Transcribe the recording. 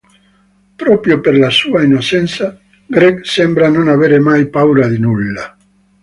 Proprio per la sua innocenza, Greg sembra non avere mai paura di nulla.